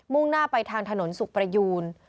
่งหน้าไปทางถนนสุขประยูน